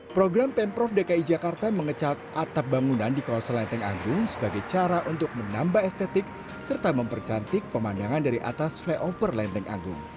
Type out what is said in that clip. program pemprov dki jakarta mengecat atap bangunan di kawasan lenteng agung sebagai cara untuk menambah estetik serta mempercantik pemandangan dari atas flyover lenteng agung